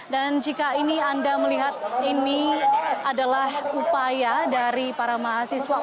dan jika ini anda melihat ini adalah upaya dari para mahasiswa